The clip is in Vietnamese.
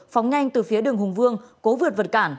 phóng nhanh từ phía đường hùng vương cố vượt vật cản